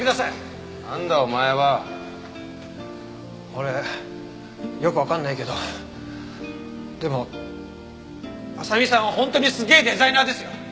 俺よくわかんないけどでも麻未さんは本当にすげえデザイナーですよ。